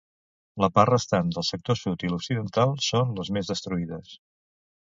La part restant del sector sud i l'occidental són les més destruïdes.